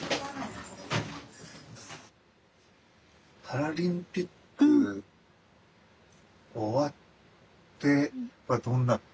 パラリンピック終わってどんな感じだった。